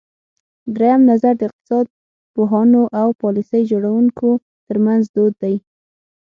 درېیم نظر د اقتصاد پوهانو او پالیسۍ جوړوونکو ترمنځ دود دی.